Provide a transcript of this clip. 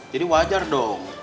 jadi wajar dong